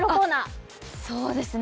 あっ、そうですね。